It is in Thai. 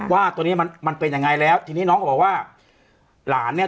ว่าตัวนี้มันมันเป็นยังไงแล้วทีนี้น้องก็บอกว่าหลานเนี่ย